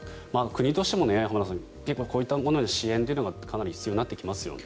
国としてもこういったもので支援というのが必要になってきますよね。